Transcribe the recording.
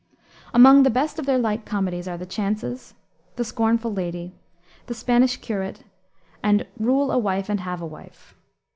Among the best of their light comedies are The Chances, The Scornful Lady, The Spanish Curate, and Rule a Wife and Have a Wife.